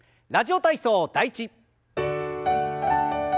「ラジオ体操第１」。